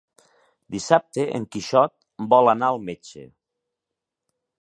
Dissabte en Quixot vol anar al metge.